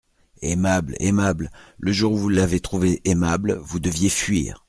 Aimable ! aimable ! Le jour où vous l'avez trouvée aimable, vous deviez fuir.